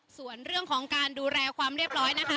ส่วนเรื่องของการดูแลความเรียบร้อยนะคะ